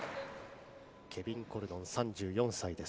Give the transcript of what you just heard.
ケビン・コルドン、３４歳です。